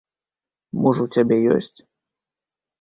Муж у цябе ёсць?